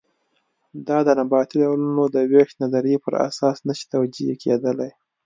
دا د نباتي ډولونو د وېش نظریې پر اساس نه شي توجیه کېدلی.